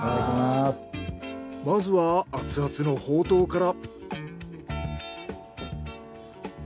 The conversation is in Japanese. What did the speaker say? まずはアツアツのほうとうから。